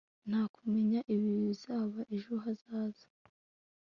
nta kumenya ibizaba ejo hazaza